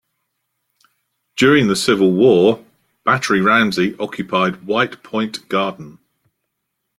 During the Civil War, Battery Ramsay occupied White Point Garden.